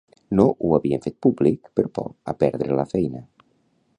No ho havien fet públic per por a perdre la feina.